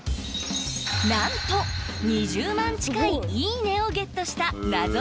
なんと２０万近い「いいね」をゲットした謎のスイッチ！